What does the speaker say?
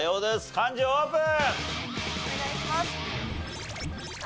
漢字オープン！